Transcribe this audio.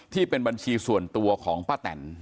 ที่เป็นบัญชีส่วนตัวของป้าแตน